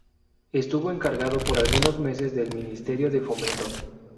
Estuvo encargado por algunos meses del Ministerio de Fomento.